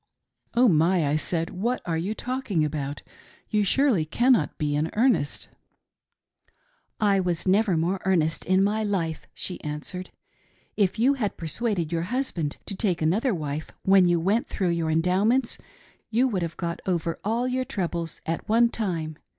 " Oh My !" I said, " What are you talking about .? You surely cannot be in earnest." "I never was more earnest in my life," she answered. If you had persuaded your husband to take another wife when you went through your Endowments you would have got over all your troubles at one time.